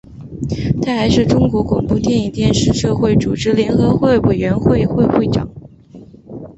他还是中国广播电影电视社会组织联合会演员委员会副会长。